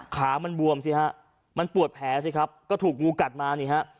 ขามันบวมมันปวดแผลก็ถูกงูกัดมา